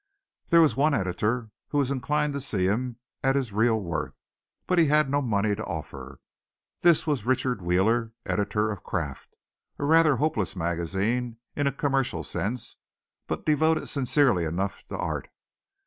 There was one editor who was inclined to see him at his real worth, but had no money to offer. This was Richard Wheeler, editor of Craft, a rather hopeless magazine in a commercial sense, but devoted sincerely enough to art.